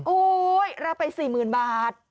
โอ้ยรับไป๔๐๐๐๐บาท